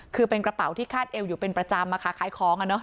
คือเป็นกระเป๋าที่คาดเอวอยู่เป็นประจำอะค่ะขายของอ่ะเนอ